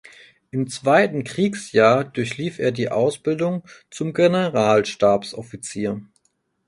Im zweiten Kriegsjahr durchlief er die Ausbildung zum Generalstabsoffizier.